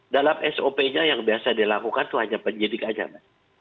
dalam sop nya yang biasa dilakukan itu hanya penyidik saja mas